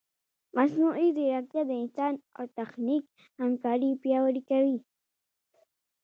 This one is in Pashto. مصنوعي ځیرکتیا د انسان او تخنیک همکاري پیاوړې کوي.